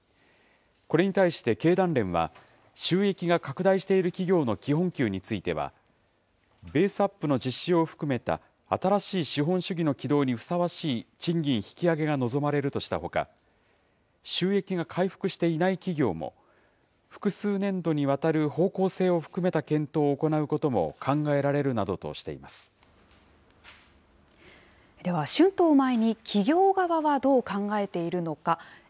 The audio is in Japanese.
これに対して経団連は、収益が拡大している企業の基本給については、ベースアップの実施を含めた新しい資本主義の起動にふさわしい賃金引き上げが望まれるとしたほか、収益が回復していない企業も、複数年度にわたる方向性を含めた検討を行うことも考えられるでは、春闘を前に、企業側はどう考えているのか。